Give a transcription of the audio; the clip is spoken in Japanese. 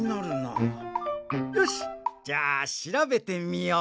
よしじゃあしらべてみよう。